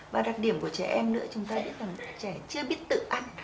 và đặc điểm của trẻ em nữa chúng ta biết rằng trẻ chưa biết tự ăn